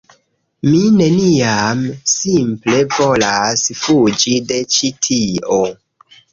Mi neniam simple volas fuĝi de ĉi tio